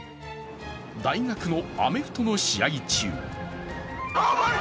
大学のアメフトの試合中